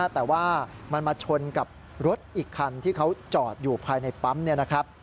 แต่ว่ามันมาชนกับรถอีกคันที่เขาจอดอยู่ภายในปั๊มเนี่ยนะครับ